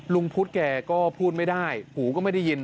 พุทธแกก็พูดไม่ได้หูก็ไม่ได้ยิน